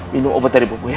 minum obat dari popo ya